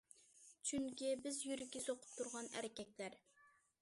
چۈنكى بىز يۈرىكى سوقۇپ تۇرغان ئەركەكلەر!!!